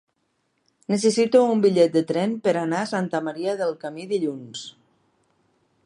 Necessito un bitllet de tren per anar a Santa Maria del Camí dilluns.